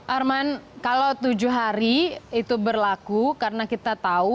arman kalau tujuh hari itu berlaku karena kita tahu